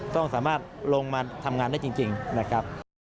ต้องสามารถลงมาทำงานได้จริงนะครับ